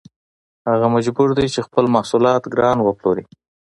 هغه مجبور دی چې خپل محصولات ګران وپلوري